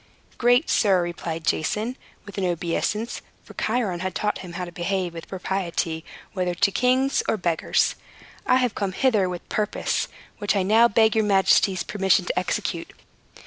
"Great sir," replied Jason, with an obeisance for Chiron had taught him how to behave with propriety, whether to kings or beggars "I have come hither with a purpose which I now beg your majesty's permission to execute.